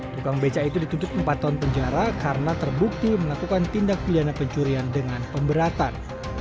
tukang beca itu dituntut empat tahun penjara karena terbukti melakukan tindak pidana pencurian dengan pemberatan